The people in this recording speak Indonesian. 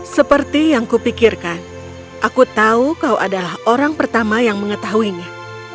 seperti yang kupikirkan aku tahu kau adalah orang pertama yang mengetahuinya